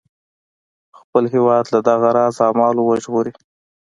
خپل هیواد له دغه راز اعمالو وژغوري.